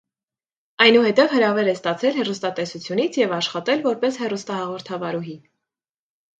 Այնուհետև հրավեր է ստացել հեռուստատեսությունից և աշխատել որպես հեռուստահաղորդավարուհի։